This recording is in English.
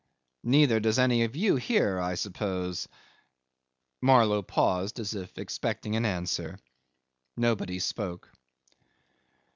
Neither does any of you here, I suppose? ...' Marlow paused, as if expecting an answer. Nobody spoke.